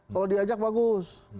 kalau diajak bagus